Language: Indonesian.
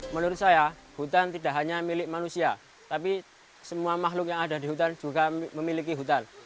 menurut saya hutan tidak hanya milik manusia tapi semua makhluk yang ada di hutan juga memiliki hutan